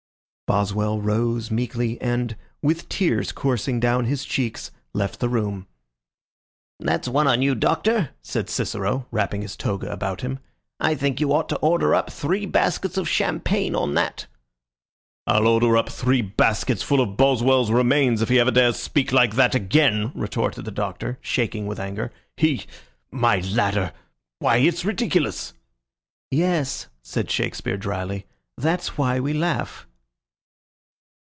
Boswell rose meekly, and, with tears coursing down his cheeks, left the room. "That's one on you, Doctor," said Cicero, wrapping his toga about him. "I think you ought to order up three baskets of champagne on that." "I'll order up three baskets full of Boswell's remains if he ever dares speak like that again!" retorted the Doctor, shaking with anger. "He my ladder why, it's ridiculous." "Yes," said Shakespeare, dryly. "That's why we laugh."